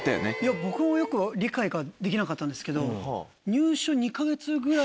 僕もよく理解ができなかったんですけど。